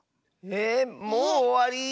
えもうおわり？